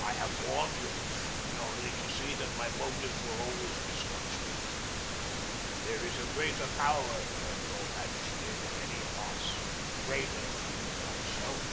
I have warned you, only to see that my motives were always misconstrued. There is a greater power at work, your majesty, than any of us—greater than Lutha itself.